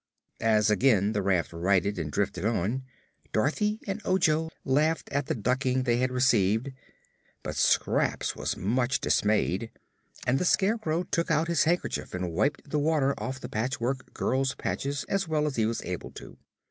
As again the raft righted and drifted on, Dorothy and Ojo laughed at the ducking they had received; but Scraps was much dismayed and the Scarecrow took out his handkerchief and wiped the water off the Patchwork Girl's patches as well as he was able to.